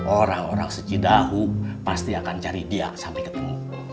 orang orang secidahu pasti akan cari dia sampai ketemu